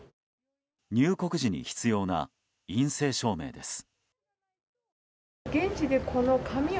入国時に必要な陰性証明です。